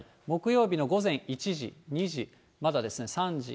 木曜日の午前１時、２時、まだですね。